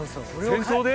戦争で？